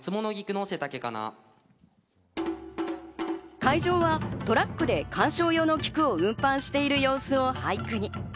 海城はトラックで観賞用の菊を運搬している様子を俳句に。